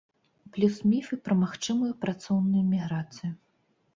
Плюс міфы пра магчымую працоўную міграцыю.